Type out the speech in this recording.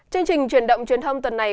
chương trình truyền động truyền thông tuần này